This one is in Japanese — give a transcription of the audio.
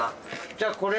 じゃあこれ。